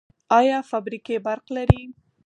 آیا فابریکې برق لري؟